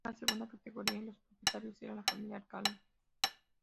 Era de segunda categoría y los propietarios era la familia "Alcalde".